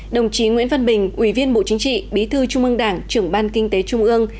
đồng chí nguyễn văn bình ủy viên bộ chính trị bí thư trung ương đảng trưởng ban kinh tế trung ương